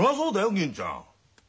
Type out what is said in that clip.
銀ちゃん。